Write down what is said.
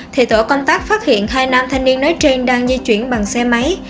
thì tổ công tác phát hiện hai nam thanh niên nói trên đang di chuyển bằng xe máy